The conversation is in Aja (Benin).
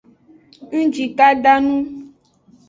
Ngjikada nu.